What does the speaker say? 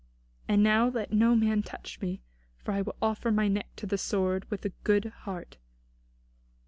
And now let no man touch me, for I will offer my neck to the sword with a good heart."